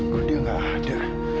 gue dia gak ada